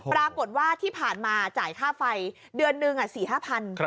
ปรากฏว่าที่ผ่านมาจ่ายค่าไฟเดือนหนึ่ง๔๕๐๐บาท